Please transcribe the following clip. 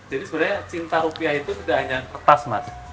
jadi sebenarnya cinta rupiah itu tidak hanya kertas mas